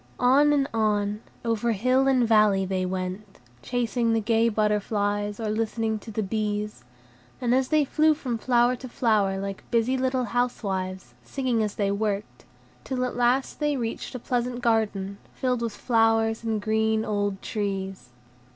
On and on, over hill and valley, they went, chasing the gay butterflies, or listening to the bees, as they flew from flower to flower like busy little housewives, singing as they worked; till at last they reached a pleasant garden, filled with flowers and green, old trees.